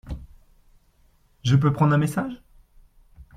Je peux prendre un message ?